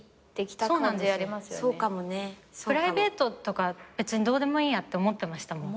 プライベートとか別にどうでもいいやって思ってましたもん。